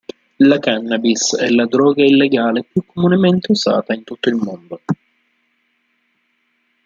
La cannabis è la droga illegale più comunemente usata in tutto il mondo.